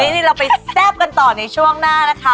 นี่เราไปแซ่บกันต่อในช่วงหน้านะคะ